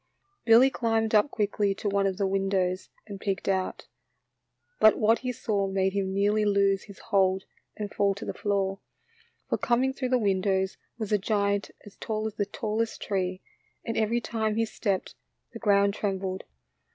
Billy climbed up quickly to one of the win dows and peeked out, but what he saw made him nearly lose his hold and fall to the floor, for coming through the woods was a giant as tall as the tallest tree, and every time he BILLY WILSON'S BOX TRAP. 67 stepped, the ground trembled.